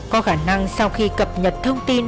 có khả năng sau khi cập nhật thông tin